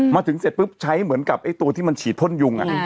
มาถึงเสร็จปุ๊บใช้เหมือนกับไอ้ตัวที่มันฉีดพ่นยุง